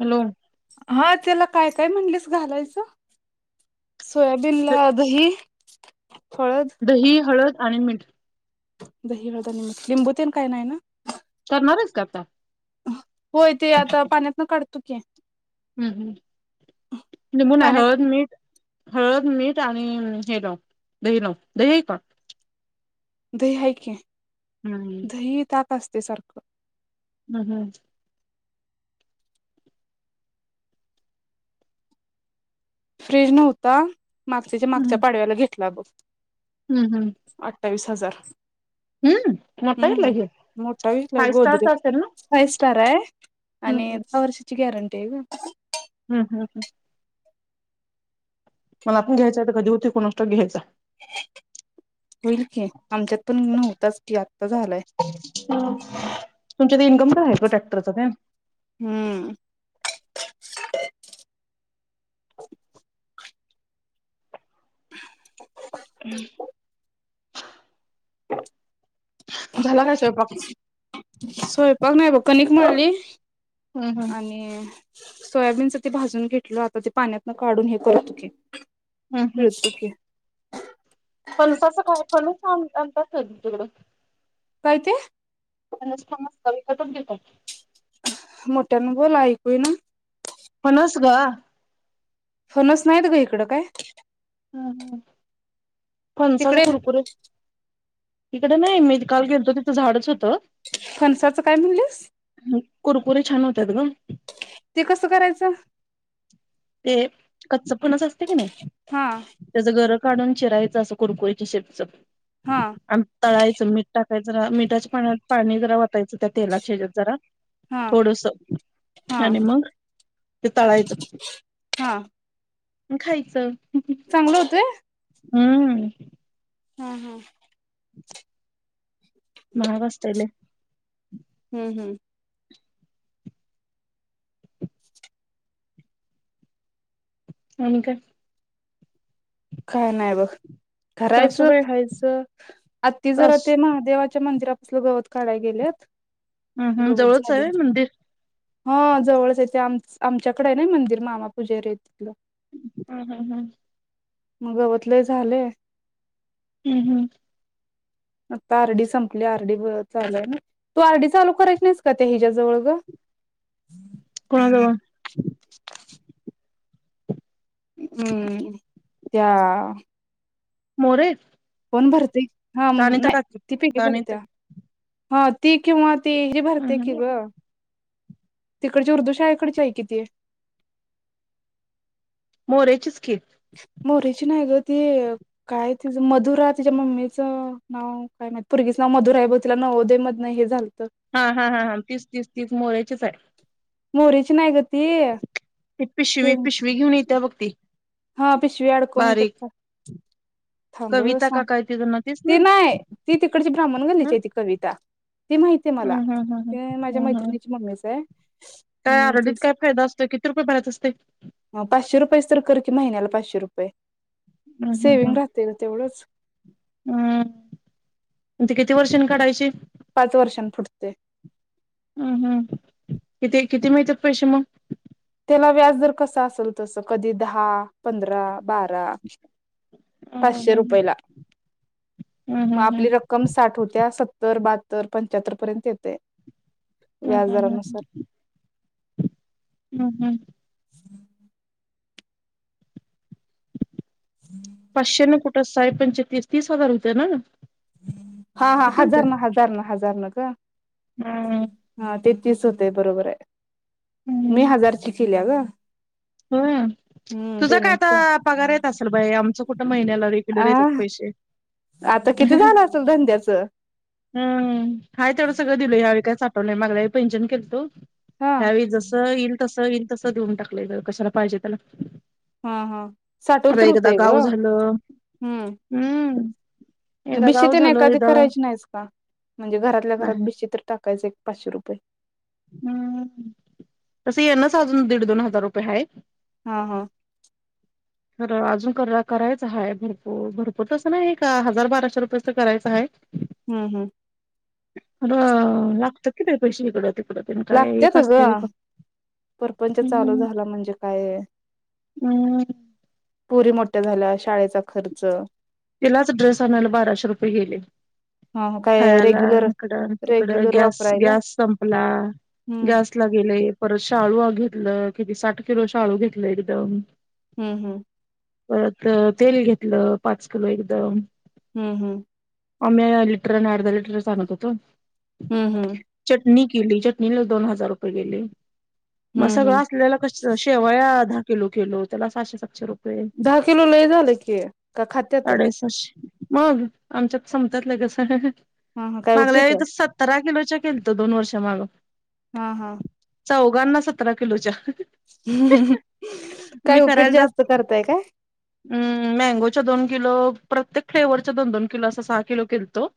Hello हा त्याला काय काय म्हणलेस घालायचं सोयाबीन ला दही हळद दही हळद आणि मीठ दही हळद निमित् लिंबूतेन काय नाहीय ना करणारस का का हो य ते आता पाण्यात ना काढतो की हम् हम् निमून पाण्यात आहे मी हळद मीठ आणि हे लाव दही लाव दही का दुहाय केन हम्म दही तात असते सारखं हम् हम फ्रीज नव्हता मागच्याच्या मागच्या पाडव्याला घेतला बघ हम् हम् अठ्ठावीस हजार मोठा आहे हम्म, लगे मोठा घेतलाय फाय गोदडी. स्टारचा असेल ना फाईव स्टार आहे, आणि हम्म दहा वर्षाची गॅरंटी आहे गं. ह ह ह. मला पण घ्यायचायं तर कधी होतोय, कुणास ठाऊक घ. घ्यायचा. होईल की, आमच्यात पण नव्हताच कि आत्ता झालाय. तुमच्यात इन्कम तर आहे गं ट्रॅक्टरच तेन. हम्म, [unintelligible] झाला काय स्वयंपाक? स्वयंपाक नाही, ब कनिक मळली हम्म हम्म आणि सोयाबीनच ते भाजून घेतल, आता ते पाण्यातन काढून हे करतो की. हम्म हम्म. पिळतो की. फणसाचं काय फणस आणतात कधी तिकडं? काय ते? नसत मस्त विकतच घेतात. मोठ्यानं बोल ऐकू येना. फणस गं? फणस नाहीत गं इकडं काय. हम्म, ह फणसाचा तिकडे कुरकुरीत तिकडे नाही, मी काल गेलतो तिथं झाडच होतं. फणसाचं काय म्हणलीस? कुरकुरी छान होतात गं. ते कसं करायचं? ते कच्च फणस असते की नाही. हा त्याचं गरं काढून चिरायचं असं कुरकुरीच्या शेपचं. हा. आणि तळायचं मीठ टाकाय जरा मिठाच्या पाण्यात पाणी जरा वतायचं त्या तेलाय जरा. हा थोडस हा आणि मग ते तळायचं. हा. आणि खायचं. चांगलं होतय. हम्म, ह ह. [unintelligible] महाग असतय लय ह ह. आणि काय? काय नाही बघ करायचं सासूबाई खायचं, आत्ती जरा सास ते महादेवाच्या मंदिरापसलं गवत काढाय गेल्यात हम्म हम्म गवत जवळच आहे व्हय झालयं. मंदिर हा जवळच आहे, ते आम -आमच्याकडे आहे ना मंदिर मामा पूजारी आहे तिथलं. ह ह ह. म गवत लई झालेय. ह ह. आता आरडी संपली, आर डी चालूय ना. तू आरडी चालू करायची नाहीस का, त्या हिच्याजवळ गं? कोणा जवळ? [unintelligible] हम्म, त्या मोरे कोण भरते. हा का अनिता नाही काकी ती पीगी का अनिता भरत्या. हा ती किंवा ती ही हम्म भरते की हम्म ग. तिकडची उर्दू शाळे कडची आहे कि ती. मोरेचीच की. मोरी ची नाही ग ती. काय तिझं मधुरा तिच्या मम्मीचं नाव काय माहित पोरगीचं नाव मधुरा आहे बहुतेक तिला नवोदय मधुन हे झालत. हा हा हा हां तीच तीच तीच मोरेचीच आहे. मोरेची नाही ग ती ते पिशवी पिशवी घेऊन येत्या बघ ती. हा पिशवी अडकून येत्यात बारीक बघ. कविता का काय तिज नाव तीच ना ती नाही. ती तिकडची ब्राम्हण ह गल्लीची आहे ती कविता ते माहितीे आहे मला हम् हम् हम् ती माझ्या हम् हम् मैत्रिणीची मम्मीच आहे. काय आरडीत काय हम् फायदा असतोय. किती रुपये भरायच असते? पाचशे रुपयच तर कर की महिन्याला पाचशे रुपये हम् सेविंग राहते गं तेवढंच. हम, ती किती वर्षांनी काढायची. पाच वर्षान फुटते. हम् हम्म किती किती मिळतात मग पैसे मग, त्याला व्याज दर कसा असेल तस कधी दहा, पंधरा, बारा हं हं पाचशे हं रुपयेला हं मग हं आपली हं. रक्क कम साठ होत्या. सत्तर, बहात्तर, पंच्याहत्तर पर्यंत येते. हम् हम् हम् व्याजदरानुसार ह हम्म हम्म हम्म पाचशे ना कुठं साये पंचे तीस तीस हजार होते ना. हा हा किती हजार ना हजार ना हजार न गं. हा हा ते तीस होते बरोबर आहे. हम्म मी हजारची केल्या गं. होय, तुझं काय आता पेमेंट पगार येत असेल. बाई, आमच कुठं महिन्याला रेग्युलर आ येतात पैसे आता किती झालं असेल धंद्याचं? हम, हाय तेवढं सगळं दिलो. ह्यावेळी काय साठवलंय नाही. मला एक पैंजण केलंतो. हा ह्यावेळी जसं येईल तस, येईल तस देऊन टाकलंय कशाला पाहिजे त्याला, हा हा साठवल अर तर एकदा होतंय ग गाव झालं. हम्म, एकदा भिशी गाव तेन झालं एखादी एकदा करायची नाहीस का, म्हणजे घरातल्या नाही घरात भिशी तर टाकायचं एक पाचशे रुपये. हम् तस येनच अजून दीड, दोन हजार रुपये आहे. हा हा खरं अजून करायचं आहे. भरपूर भरपूर तसं नाही का हजार बाराशे रुपयेच तर करायचं आहे. ह. हम् हम्. अरं लागत्यात कि ते पैसे हिकडं तिकडं तेन एक लागतेच ग असतय होय काय. परपंच चालू हम्म झाला म्हणजे काय हम्. पोरी मोठ्या झाल्या शाळेचा खर्च तिलाच ड्रेस आणायला बाराशे रुपये गेले. ह काय खायाला, रेग्युलर इकड तिकड रेग्युलर गॅस वापरायला गॅस संपला हम्म गॅस तला गेले परत शाळू घेतलं. किती साठ किलो शाळू घेतलं एकदम हूं हूं! परत त तेल घेतलं पाच किलो एकदम. हूं हूं! आमी लिटर आणि अर्धा लिटरच आनत होतो. हम्म हम्म चटणी केली. चटणीला दोन हजार रुपये गेले. मग हम्म हम्म सगळं असल्याला कस शेव या दहा किलो केलो. त्याला सहाशे-सातशे रुपये दहा किलो लई झालं की, का खात्यात साडे सहाशे मग आमच्यात संमत्यात लगेच हा हा काय मागल्या उपीट वेळी तर सात तरआईन मिरचा केल त दोन वर्षा माग. हा हा! चौघांना सतरा किलोच्या काय उपीट जास्त करताय का? हूं मँगो च्या दोन किलो प्रत्येक फ्लेवरच्या दोन दोन किलो असा सहा किलो केलतो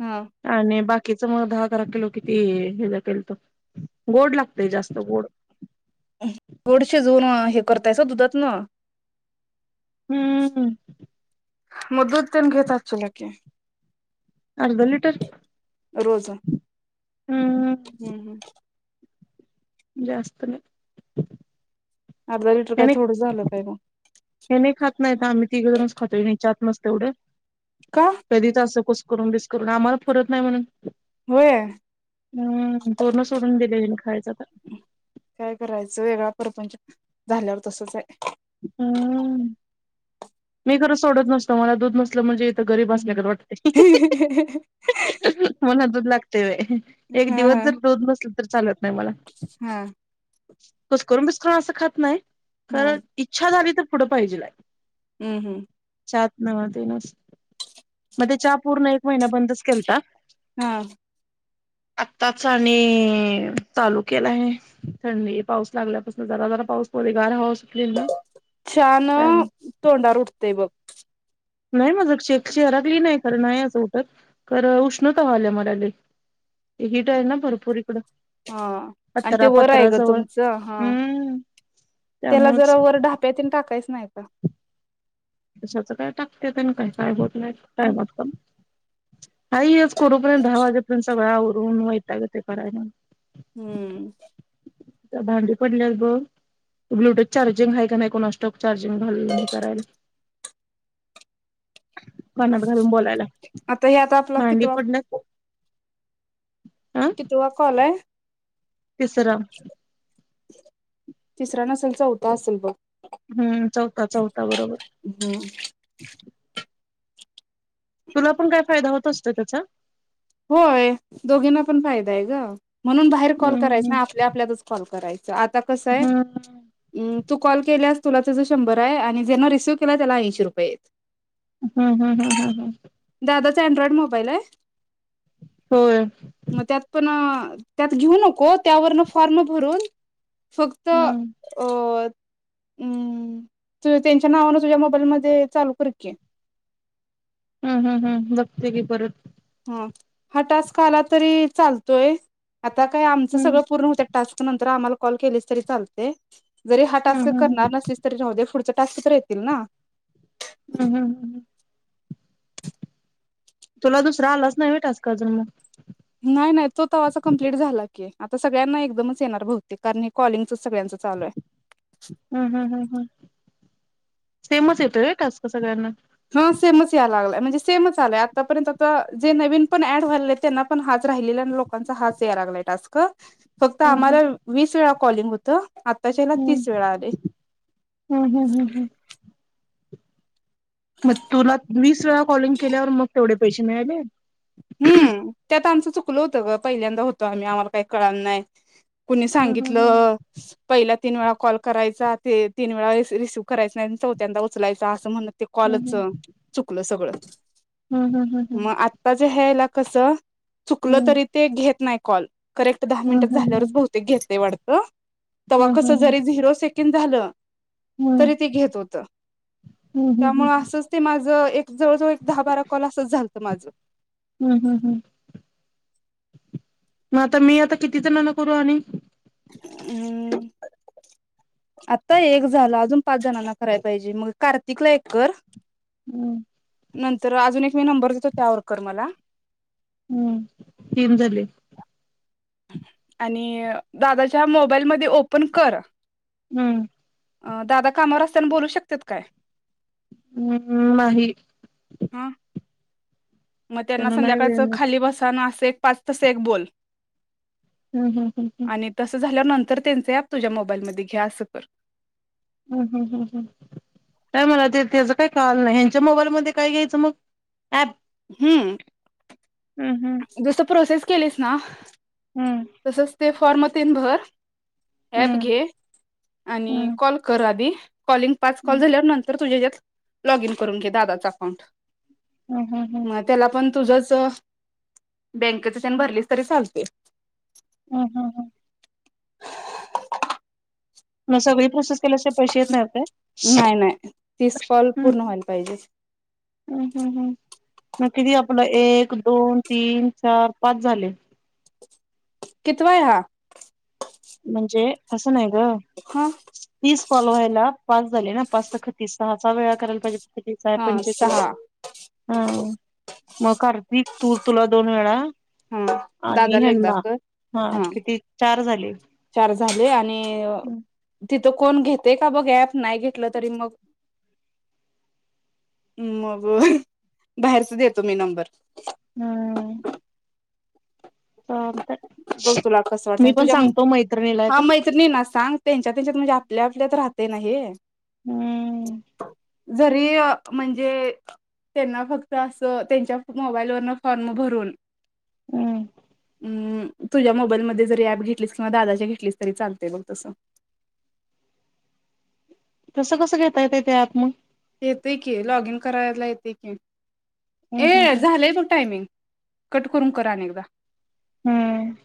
हूं! आणि बाकीच म दहा बारा किलो किती हे ज केलत, गोड लागतय जास्त गोड गोड शिजवून हे करतायस दुधात न हूं हूं! मग दूध तेन घेतात चूला की अर्ध लिटर हूं हूं! हूं हूं! जास्त ना अर्धा लिटर काय थोडं झालं काय म हे मी खात नाहीत आम्ही तीघ जनच खातोय नीच्या त मस तेवढं. का? कधीच असं कुस बिसकरून आम्हाला पूरत नाही म्हणून होय हूं पूर्ण सोडून दिले हिने खायच आता काय करायचं वेगळा प्रपंच झाल्यावर तसच आहे. हं मी खरं सोडत नसतो मला दूध नसलं म्हणजे त गरीब असल्यागत वाटतय. मला दूध लागते व्हयं एक दिवस जर दूध नसल तर चालत नाही मला हं! कुसकरून बीस्करून असं खात नाही हा तर इच्छा झाली तर पुढं पाहिजेल आहे. हूं हूं! चात न वा दिनस मदे चहा पूर्ण एक महिना बंदच केलता. हा! आत्ताच आणि चालू केला आहे. थंडी पाऊस लागल्यापासून जरा जरा पाऊस पडे गार हवा सुटली ना. चान नाही तोंडार उठतेय बघ. नाही म्हणलं चे चेहरा क्लीन आहे खरं नाही असं उठत कर उष्णता वाढल्या मला ल हीट आहे ना भरपूर ईकड. हा आणि ते वरं आहे ग तुमचं हा हम्म त्याला त्यामुळेच जरा वर ढाप्यातीन टाकायच नाही. का कशाच काय टाकत्यात न काय काय होत नाही काय वाट का करूपर्यंत दहा वाजे पर्यंत सगळं आवरून वैता ग ते करायला. हू आता भांडी पडल्यात बघ ब्लूटूथ चार्जिंग हाय का नाय कुणास ठाऊक चार्जिंग घालून हे करायला कानात घालून बोलायला आता हे आता आपला भांडी कितवा पडलत. कितवा कॉल हाय. तिसरां तिसरा नसल चौथा असल बघ हूं चौथा चौथा बरोबर हो! तुला पण काय फायदा होत असतो त्याचा. होय दोघींना पण फायदा आहे ग म्हणून बाहेर कॉल करायचा हम्म नाय आपल्या आपल्यातच कॉल कराय आता कसं आहे? हम्म तू कॉल केल्यास तुला त्याचा शंभर आहे, आणि ज्यांना रिसिव्ह केला त्याला ऐंशी रुपये हेत. हूं हूं हूं हूं! दादाचा अँड्रॉइड मोबाईल आहे? होय. मग त्यात पण त्यात घेऊ नको त्यावरन फॉर्म भरून फक्त अ हम्म हम्म तू त्यांच्या नावानं तुझ्या मोबाईल मध्ये चालू कर की हूं हूं हूं बघते की परत हा हा टास्क आला तरी चालतोय. आता काय आमचं हम्म सगळं पूर्ण होतय. टास्क नंतर आम्हाला कॉल केलीस तरी चालतय जरी हा टास्क हम्म करणार हम्म नसलीस तरी राहूदे पुढचे टास्क तर येतील ना हम्म हम्म हम्म तुला दुसरां आलाच नाय व्हय टास्क अजून म नाय नाय तो तवाचं कम्प्लीट झाला की आता सगळ्यांना एकदमच येणार भवतेक कारण हे कॉलिंगच सगळ्यांचं चालू आहे. हूं हूं हूं हूं सेमच येतोय व्हय टास्क सगळ्यांना हा सेमच यायला लागलाय म्हणजे सेमच आलय आतापर्यंत आता जे नवीन पण ऍड व्हायलेत त्यांना पण हाच राहिलेल्यानं लो लोकांचा हाच यायला लागलाय टास्क फक्त हम्म आम्हाला हम्म वीस वेळा कॉलिंग होतं आताच्या हयाला तीस वेळा आलय. हूं हूं हूं हूं मग तुला वीस वेळा कॉलिंग केल्यावर मग तेवढे पैसे मिळाले. हम्म त्यात आमचं चुकलं होतं ग पहिल्यांदा होतं आम्ही आम्हाला काय कळाल नाय. कुणी हम्म हम्म सांगितलं पहिला तीन वेळा कॉल करायचा ते तीन वेळा रिसी रिसीव्ह करायचा चौथ्यांदा उचलायचा असं म्हणत ते कॉलच हम्म चुकलं सगळं हम्म हम्म म आत्ताचं ह्यायला कसं चुकलं हम्म तरी ते घेत नाय कॉल करेक्ट दहा मिनिट हम्म हम्म झाल्यावरच बहुतेक घेतय वाटतं तेव्हा हम्म हम्म हम्म हम्म कस जरी झिरो सेकंड झालं- तरी ते घेत होत हम्म हम्म त्यामुळ हम्म असं ते माझ एक जवळजवळ एक दहा बारा कॉल असच झालतं माझं. हूं हूं हूं म आता मी आता किती जणांना करू आणि अम्म आता एक झालं अजून पाच जणांना कराय पाहिजे मग कार्तिकला एक कर हं नंतर अजून एक मी नंबर देतो त्यावर कर मला हम्म तीन झाले. आणि दादाच्या मोबाईलमध्ये ओपन कर हम्म अ दादा कामावर असताना बोलू शकतेत काय? हम्म नाही. ह म त्यांना नाही संध्याकाळच वेळ मिळत खाली बसाना असं एक पाच तस एक बोल हूं हूं हूं हूं आणि तसं झाल्या नंतर त्यांच ॲप तुझ्या मोबाईलमध्ये घे असं कर हूं हूं हूं हूं काय मला ते त्याचा काही, कळालं नाही ह्यांच्या मोबाईलमध्येध्ये काय घ्यायचं मग ऍप. हम्म. हम् हम्. जसं प्रोसेस केलीस ना तसच ते फॉर्म तेन भर ऍप घे आणि कॉल कर आधी कॉलिंग पाच कॉल झाल्यावर नंतर तुझ्या ह्याज्यात लॉग इन करून घे दादाच अकाउंट. हम हम हं. मग त्याला पण तुझंच बँकेच त्यान भरलीस तरी चालते. ह हम ह. म सगळी प्रोसेस केल्या अस पैसे येत नाहीते्. नाही नाही तीस कॉल पूर्ण व्हायला पाहिजे हम् हम् हम्. मग किती आपलं एक दोन तीन चार पाच झाले. कितवा आहे हा. म्हणजे आसं नाही ग. हम. तीस कॉल व्हायला पास झाले ना पाच सख तीस सहा चा वेळा करायला पाहिजे. किती सहा हा पंचे तीस. सहा हा मग करती तू तुला दोन वेळा. हा आणि दादाला एकदा ह्यांला कर हा किती चार झाले. चार झाले आणि तिथं कोण घेते का बघ ऍप नाही घेतलं तरी मग. मग बाहेरच देतो मी नंबर हम्. तर बघ तर तुला मी पण सांगतो मैत्रिणीला एका. तरी ह्याना सांग त्यांच्या त्यांच्यात म्हणजे आपल्या आपल्यात राहते ना हे हम्म. जरी म्हणजे. त्यांना फक्त असं त्यांच्या मोबाईल वरन फॉर्म भरून. हम्म. तुझ्या मोबाईलमध्येध्ये जरी ऍप घेतलीस किंवा दादाच्या घेतलीस तरी चालतय बघ तसं. तसं कसं घेता येत ते अँप मग. येतय की लॉग इन करायला येते की हम्म हम्म ए हम्म झालंय बग टायमिंग. कट करून करा न एकदा हम्म.